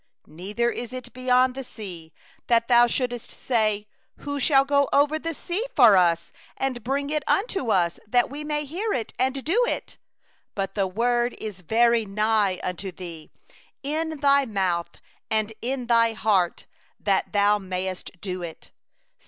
13Neither is it beyond the sea, that thou shouldest say: 'Who shall go over the sea for us, and bring it unto us, and make us to hear it, that we may do it?' 14But the word is very nigh unto thee, in thy mouth, and in thy heart, that thou mayest do it.